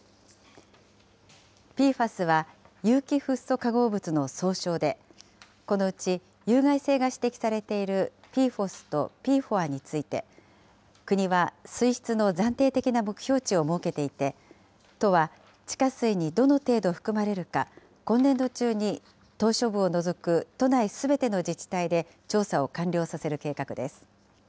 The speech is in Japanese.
ＰＦＡＳは有機フッ素化合物の総称で、このうち、有害性が指摘されているＰＦＯＳとＰＦＯＡについて、国は水質の暫定的な目標値を設けていて、都は、地下水にどの程度含まれるか、今年度中に島しょ部を除く都内すべての自治体で調査を完了させる計画です。